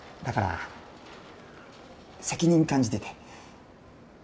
だから責任感じてて。